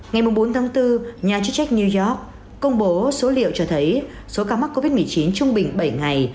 ngày bốn tháng bốn nhà chức trách new york công bố số liệu cho thấy số ca mắc covid một mươi chín trung bình bảy ngày